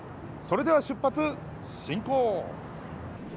それでは出発進行！